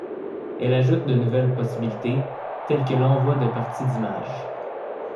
Elle ajoute de nouvelles possibilités telles que l'envoi de parties d'images.